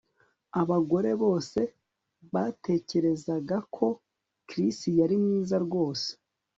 Abagore bose batekerezaga ko Chris yari mwiza rwose